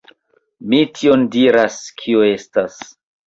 Mi tion diras, kio estas.